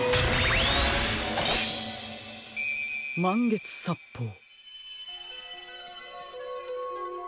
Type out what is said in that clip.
まんげつさっぽう。